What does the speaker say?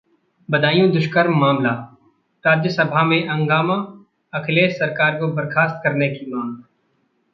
बदायूं दुष्कर्म मामला: राज्यसभा में हंगामा, अखिलेश सरकार को बर्खास्त करने की मांग